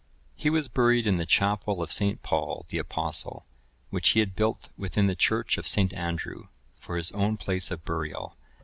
He was buried in the chapel of St. Paul the Apostle, which he had built within the church of St. Andrew(1000) for his own place of burial.